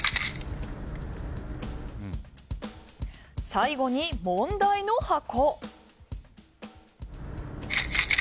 最後に問題の箱。